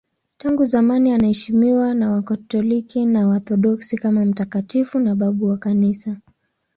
Tangu zamani anaheshimiwa na Wakatoliki na Waorthodoksi kama mtakatifu na babu wa Kanisa.